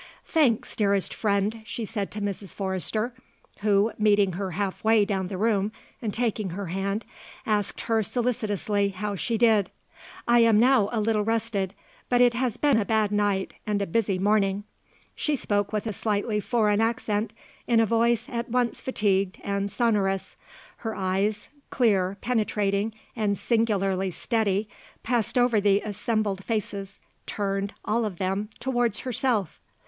"Thanks, dearest friend," she said to Mrs. Forrester, who, meeting her halfway down the room and taking her hand, asked her solicitously how she did; "I am now a little rested; but it has been a bad night and a busy morning." She spoke with a slightly foreign accent in a voice at once fatigued and sonorous. Her eyes, clear, penetrating and singularly steady, passed over the assembled faces, turned, all of them, towards herself.